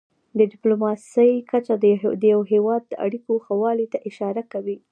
د ډيپلوماسی کچه د یو هېواد د اړیکو ښهوالي ته اشاره کوي.